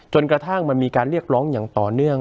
กระทั่งมันมีการเรียกร้องอย่างต่อเนื่อง